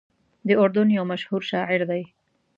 د اردن یو مشهور شاعر دی.